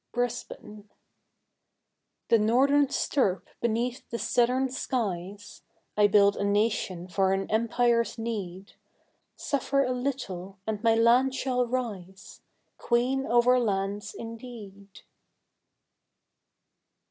Brisbane. The northern stirp beneath the southern skies I build a nation for an Empire's need, Suffer a little, and my land shall rise, Queen over lands indeed!